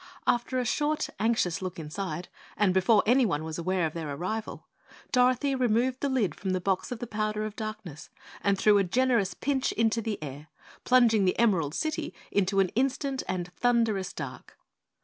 After a short, anxious look inside, and before anyone was aware of their arrival, Dorothy removed the lid from the box of the powder of darkness and threw a generous pinch into the air, plunging the Emerald City into an instant and thunderous dark.